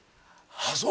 あっそう。